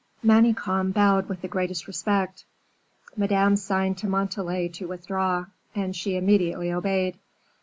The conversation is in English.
Manicamp bowed with the greatest respect; Madame signed to Montalais to withdraw, and she immediately obeyed.